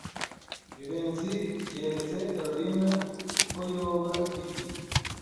Jivency yeretse Kalorina uko yoba ifi.